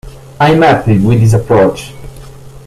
I'm happy with this approach.